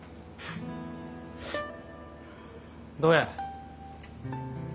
どや？